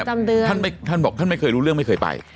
ประจำเดือนท่านไม่ท่านบอกท่านไม่เคยรู้เรื่องไม่เคยไป